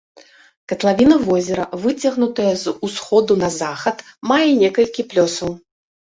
Катлавіна возера, выцягнутая з усходу на захад, мае некалькі плёсаў.